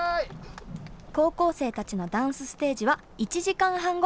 高校生たちのダンスステージは１時間半後。